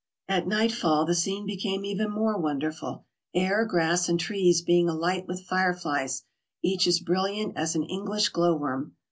At nightfall the scene became even more wonderful, air, grass, and trees being alight with fire flies, each as brilliant as an English glow worm.